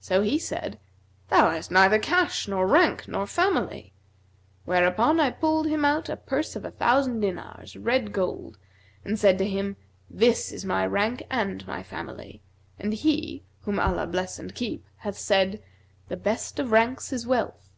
So he said, 'Thou hast neither cash nor rank nor family;' whereupon I pulled him out a purse of a thousand dinars, red gold, and said to him, 'This is my rank[FN#235] and my family; and he (whom Allah bless and keep!) hath said, The best of ranks is wealth.